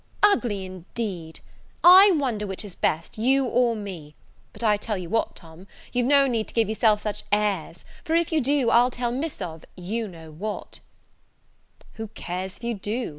"Ugly, indeed! I wonder which is best, you or me. But, I tell you what, Tom, you've no need to give yourself such airs; for, if you do, I'll tell Miss of you know what " "Who cares if you do?